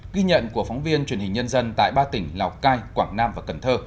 ghi nhận của phóng viên truyền hình nhân dân tại ba tỉnh lào cai quảng nam và cần thơ